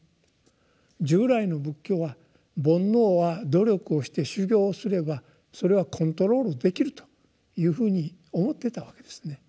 従来の仏教は「煩悩」は努力をして修行をすればそれはコントロールできるというふうに思っていたわけですね。